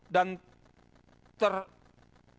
dan terdapat tahap perbaikan dalam